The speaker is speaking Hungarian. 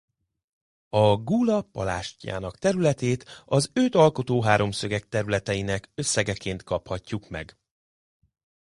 A gúla palástjának területét az őt alkotó háromszögek területeinek összegeként kaphatjuk meg.